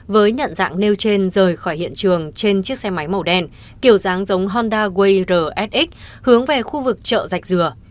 với nhận dạng nêu trên rời khỏi hiện trường trên chiếc xe máy màu đen kiểu dáng giống honda way rsx hướng về khu vực chợ dạch dừa